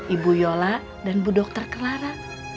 ibu yola dan bu dokter clara